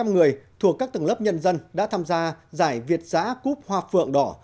một trăm linh người thuộc các tầng lớp nhân dân đã tham gia giải việt giã cúp hoa phượng đỏ